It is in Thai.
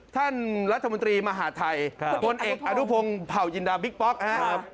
ท่านรัฐมนตรีมหาดไทยโปรนเอกอารุพงศ์เผ่ายินดามบิ๊กป๊อกครับครับ